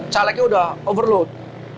calegnya udah overload